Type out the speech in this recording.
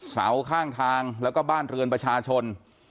เสาข้างทางแล้วก็บ้านเรือนประชาชน